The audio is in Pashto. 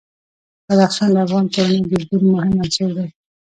بدخشان د افغان کورنیو د دودونو مهم عنصر دی.